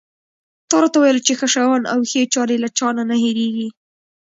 تا راته وویل چې ښه شیان او ښې چارې له چا نه نه هېرېږي.